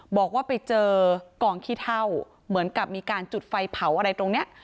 บอกว่าไปเจอกองขี้เท่าเหมือนกับมีการจุดไฟเผาอะไรตรงนี้